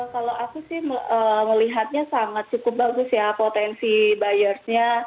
kalau aku sih melihatnya sangat cukup bagus ya potensi buyersnya